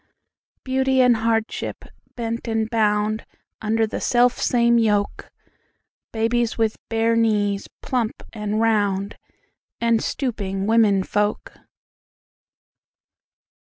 Beauty and hardship, bent and boundUnder the selfsame yoke:Babies with bare knees plump and roundAnd stooping women folk.